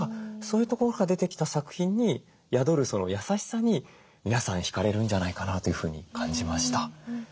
そういうところから出てきた作品に宿る優しさに皆さん引かれるんじゃないかなというふうに感じました。